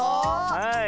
はい。